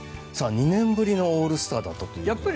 ２年ぶりのオールスターということで。